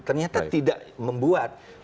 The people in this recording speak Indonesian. ternyata tidak membuat